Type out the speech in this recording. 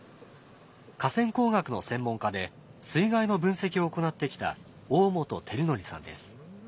河川工学の専門家で水害の分析を行ってきた大本照憲さんです。